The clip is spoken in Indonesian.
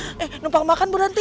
eh numpang makan berhenti